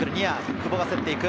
久保が競っていく。